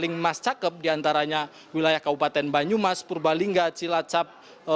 ringmas cakep diantaranya wilayah kabupaten banyumas purbalingga cilacap